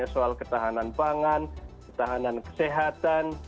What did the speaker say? soal ketahanan pangan ketahanan kesehatan